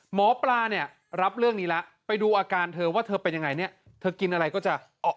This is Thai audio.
หมอปลาเนี่ยรับเรื่องนี้แล้วไปดูอาการเธอว่าเธอเป็นยังไงเนี่ยเธอกินอะไรก็จะออก